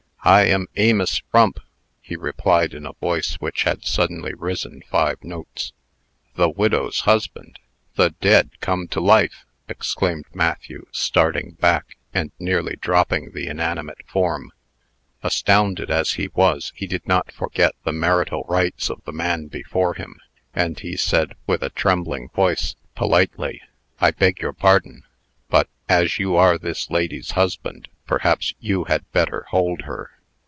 "I am Amos Frump," he replied, in a voice which had suddenly risen five notes. "The widow's husband! The dead come to life!" exclaimed Matthew, starting back, and nearly dropping the inanimate form. Astounded as he was, he did not forget the marital rights of the man before him; and he said, with a trembling voice, politely, "I beg your pardon; but, as you are this lady's husband, perhaps you had better hold her."